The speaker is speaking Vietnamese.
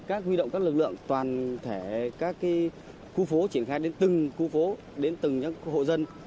các huy động các lực lượng toàn thể các khu phố triển khai đến từng khu phố đến từng hộ dân